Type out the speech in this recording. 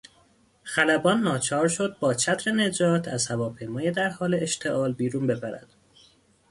خلبان ناچار شد با چتر نجات از هواپیمای در حال اشتعال بیرون بپرد.